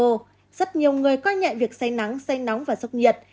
rất nhiều người coi nhẹ việc say nắng say nóng và sốc nhiệt